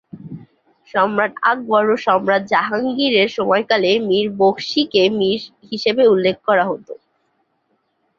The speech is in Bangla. সম্রাট আকবর ও সম্রাট জাহাঙ্গীর এঁর সময়কালে মীর বখশি-কে "মীর" হিসেবে উল্লেখ করা হতো।